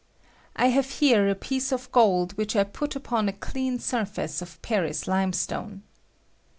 I have here a piece of gold which I put upon a clean surface of Paris limestone.